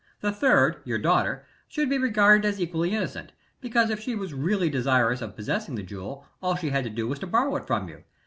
The third, your daughter, should be regarded as equally innocent, because if she was really desirous of possessing the jewel all she had to do was to borrow it from you.